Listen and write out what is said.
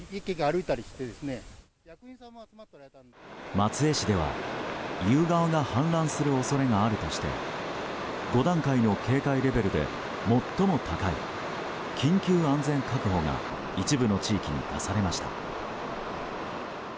松江市では、意宇川が氾濫する恐れがあるとして５段階の警戒レベルで最も高い緊急安全確保が一部の地域に出されました。